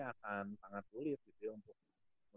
itu akan sangat sulit gitu ya untuk menurut saya